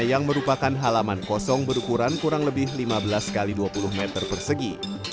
yang merupakan halaman kosong berukuran kurang lebih lima belas x dua puluh meter persegi